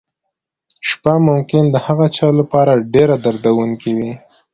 شپه ممکن د هغه چا لپاره ډېره دردونکې وي.